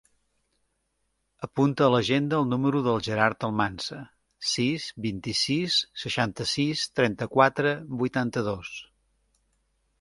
Apunta a l'agenda el número del Gerard Almansa: sis, vint-i-sis, seixanta-sis, trenta-quatre, vuitanta-dos.